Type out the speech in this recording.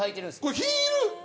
これヒール？